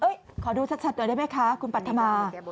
ขอดูชัดหน่อยได้ไหมคะคุณปัธมา